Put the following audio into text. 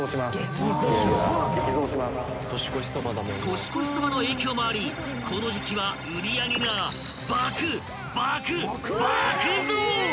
［年越しそばの影響もありこの時期は売り上げが爆爆爆増！］